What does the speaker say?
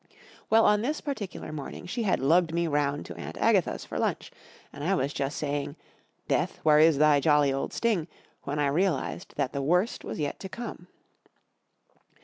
Well, on tins particular morning she had lugged me round to Aunt Agatha's for lunch, and 1 was just saying " Death, where is thy jolly old sting ?" when ] realized that the worst was yet to come.